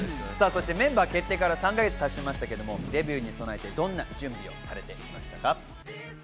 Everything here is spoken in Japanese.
メンバー決定から３か月経ちましたけども、デビューに備えて、どんな準備をされてきましたか？